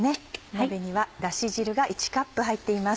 鍋にはだし汁が１カップ入っています。